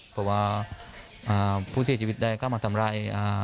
เพราะผู้ที่ได้ข้ามาทำร้าย